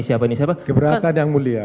siapa ini siapa keberatan yang mulia